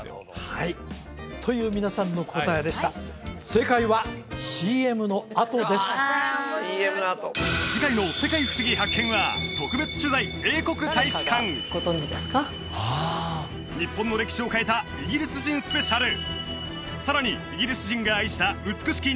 はいという皆さんの答えでした正解はＣＭのあとですＣＭのあと次回の「世界ふしぎ発見！」は日本の歴史を変えたイギリス人スペシャルさらにイギリス人が愛した美しき